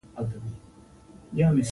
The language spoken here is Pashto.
شتمنۍ څخه ګټه اقتصادي ودې زياته وي.